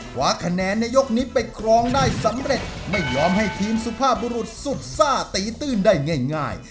คว้าคะแนนในยกนี้ไปครองได้สำเร็จไม่ยอมให้ทีมสุภาพบุรุษสุดซ่าตีตื้นได้ง่าย